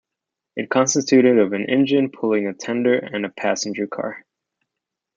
It consisted of an engine pulling a tender and passenger car.